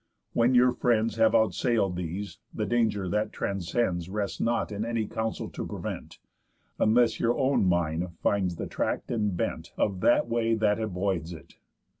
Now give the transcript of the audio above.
When your friends Have outsail'd these, the danger that transcends Rests not in any counsel to prevent, Unless your own mind finds the tract and bent Of that way that avoids it.